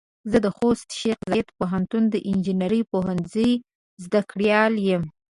زه د خوست شیخ زايد پوهنتون د انجنیري پوهنځۍ زده کړيال يم.